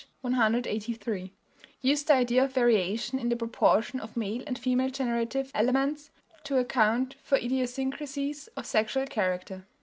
183), used the idea of variation in the proportion of male and female generative elements to account for idiosyncrasies of sexual character.